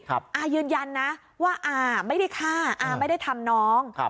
อายืนยันนะว่าอาไม่ได้ฆ่าอาไม่ได้ทำน้อง